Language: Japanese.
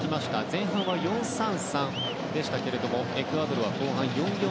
前半は４−３−３でしたけれどもエクアドルは後半、４−４−２。